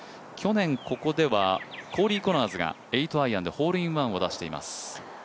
去年ここでは、コリー・コナーズが８アイアンでホールインワンを出しています。